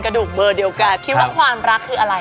ดูเบอร์เดียวกันคิดว่าความรักคืออะไร